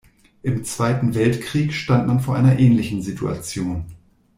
Im Zweiten Weltkrieg stand man vor einer ähnlichen Situation.